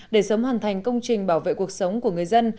để sớm hoàn thành công trình bảo vệ cuộc sống của người dân